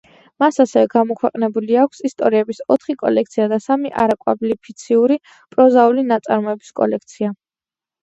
მას ასევე გამოქვეყნებული აქვს ისტორიების ოთხი კოლექცია და სამი არაკვალიფიციური პროზაული ნაწარმოების კოლექცია.